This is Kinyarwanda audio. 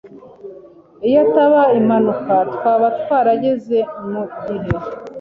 Iyo itaba impanuka, twaba twarageze mugihe.